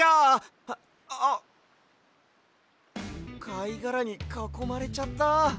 かいがらにかこまれちゃった。